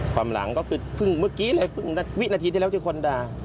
หลังก็คือเพิ่งเมื่อกี้เลยเพิ่งวินาทีที่แล้วที่คนด่า